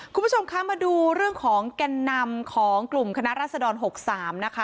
คุณผู้ชมคะมาดูเรื่องของแก่นนำของกลุ่มคณะรัศดร๖๓นะคะ